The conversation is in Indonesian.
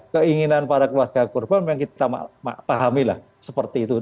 keinginan para keluarga korban memang kita pahamilah seperti itu